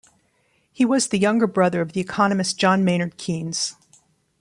He was the younger brother of the economist John Maynard Keynes.